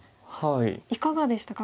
いかがでしたか